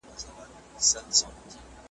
څوک چي په ژوند کي سړی آزار کي `